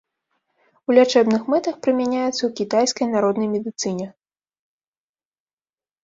У лячэбных мэтах прымяняецца ў кітайскай народнай медыцыне.